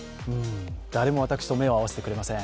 誰も私と目を合わせてくれません。